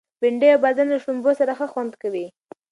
بنډۍ او بادرنګ له شړومبو سره ښه خوند کوي.